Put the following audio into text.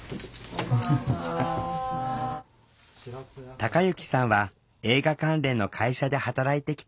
たかゆきさんは映画関連の会社で働いてきた。